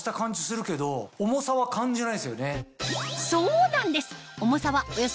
そうなんです！